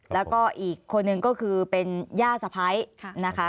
และก็อีกคนหนึ่งก็คือเป็นเยา่สะไพร์